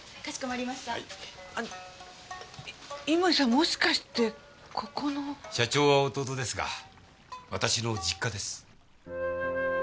もしかしてここの。社長は弟ですが私の実家です。